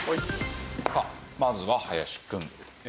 さあまずは林くん。